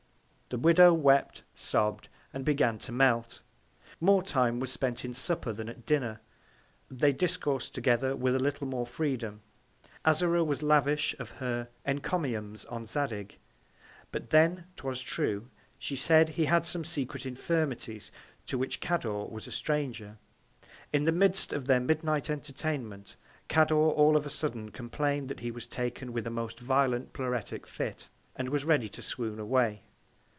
The Widow wept, sobb'd, and began to melt. More Time was spent in Supper than at Dinner. They discoursed together with a little more Freedom. Azora was lavish of her Encomiums on Zadig; but then, 'twas true, she said, he had some secret Infirmities to which Cador was a Stranger. In the Midst of their Midnight Entertainment, Cador all on a sudden complain'd that he was taken with a most violent pleuretic Fit, and was ready to swoon away.